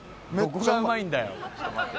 「どこがうまいんだよ？」